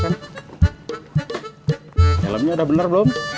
helmnya ada bener belum